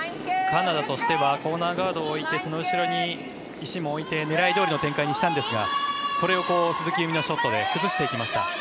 カナダとしてはコーナーガードを置いてその後ろに石も置いて狙いどおりの展開にしたんですがそれを鈴木夕湖のショットで崩していきました。